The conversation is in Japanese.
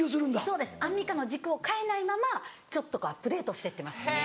そうですアンミカの軸を変えないままちょっとアップデートしてってます。